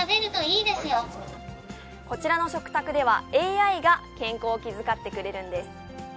こちらの食卓では、ＡＩが健康を気遣ってくれるんです。